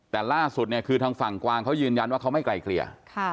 แต่ล่าสุดเนี่ยคือทางฝั่งกวางเขายืนยันว่าเขาไม่ไกลเกลี่ย